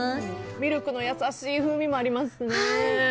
ミルクの優しい風味もありますね。